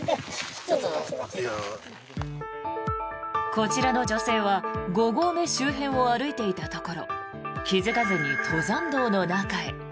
こちらの女性は五合目周辺を歩いていたところ気付かずに登山道の中へ。